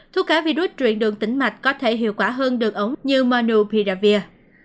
thuốc kháng virus truyền đường tỉnh mạch có thể hiệu quả hơn đường ống như monopiravir